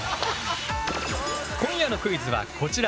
今夜のクイズはこちら！